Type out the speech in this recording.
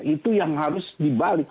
itu yang harus dibalik